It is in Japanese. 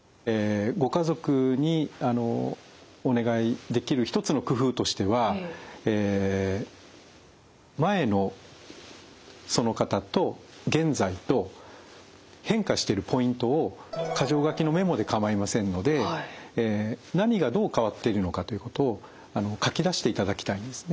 ご家族にお願いできる一つの工夫としては前のその方と現在と変化してるポイントを箇条書きのメモで構いませんので何がどう変わっているのかということを書き出していただきたいんですね。